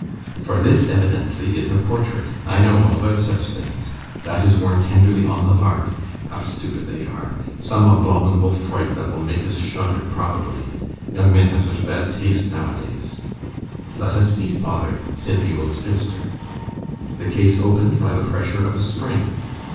"For this evidently is a portrait. I know all about such things. That is worn tenderly on the heart. How stupid they are! Some abominable fright that will make us shudder, probably! Young men have such bad taste nowadays!" "Let us see, father," said the old spinster. The case opened by the pressure of a spring.